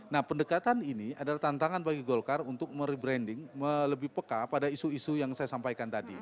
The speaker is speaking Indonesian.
nah pendekatan ini adalah tantangan bagi golkar untuk merebranding melebih peka pada isu isu yang saya sampaikan tadi